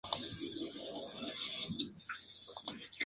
En el casco urbano se pueden observar esculturas de diferentes estilos.